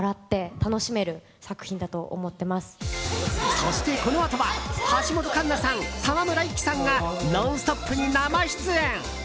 そして、このあとは橋本環奈さん、沢村一樹さんが「ノンストップ！」に生出演。